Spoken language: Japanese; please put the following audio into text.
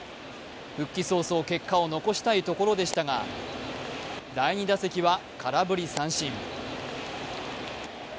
復帰早々、結果を残したいところでしたが、第２打席は空振り三振。